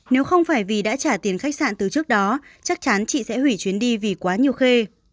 nếu không phải vì đã trả tiền khách sạn từ trước đó chắc chắn chị sẽ hủy chuyến đi vì quá nhiều khê